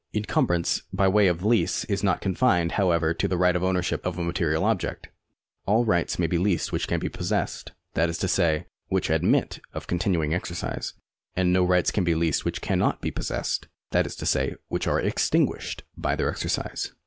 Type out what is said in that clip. En cumbrance by way of lease is not confined, however, to the right of ownership of a material object. All rights may be leased which can be possessed, that is to say, which admit of continuing exercise ; and no rights can be leased which cannot be possessed, that is to say, which are extinguished by their exercise.